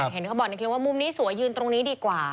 เห็นเขาบอกในคลิปว่ามุมนี้สวยยืนตรงนี้ดีกว่า